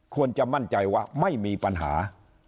ควรจะมั่นใจว่าไม่มีปัญหา